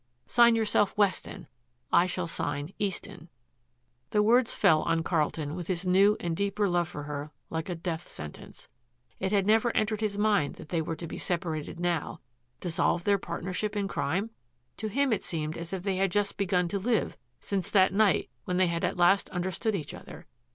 Sign yourself Weston. I shall sign Easton." The words fell on Carlton with his new and deeper love for her like a death sentence. It had never entered his mind that they were to be separated now. Dissolve their partnership in crime? To him it seemed as if they had just begun to live since that night when they had at last understood each other.